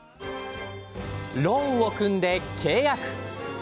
ローンを組んで契約。